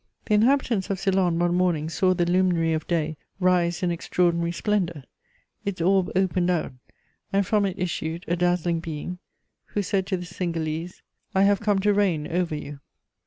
The inhabitants of Ceylon one morning saw the luminary of day rise in extraordinary splendour; its orb opened out, and from it issued a dazzling being, who said to the Cingalese: "I have come to reign over you."